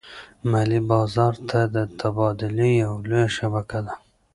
مالي بازار د تبادلې یوه لویه شبکه ده.